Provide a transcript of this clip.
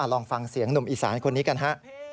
ลองฟังเสียงหนุ่มอีสานคนนี้กันฮะ